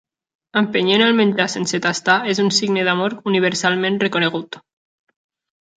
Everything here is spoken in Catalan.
Empenyent el menjar sense tastar és un signe d'amor universalment reconegut.